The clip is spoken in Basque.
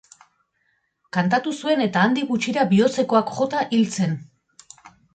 Kantatu zuen eta handik gutxira bihotzekoak jota hil zen.